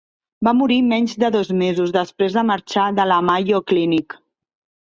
Va morir menys de dos mesos després de marxar de la Mayo Clinic.